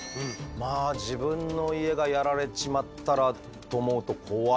まあ自分の家がやられちまったらと思うと怖いですね。